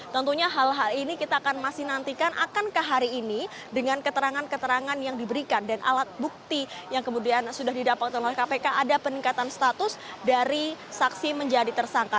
tentunya hal hal ini kita akan masih nantikan akankah hari ini dengan keterangan keterangan yang diberikan dan alat bukti yang kemudian sudah didapatkan oleh kpk ada peningkatan status dari saksi menjadi tersangka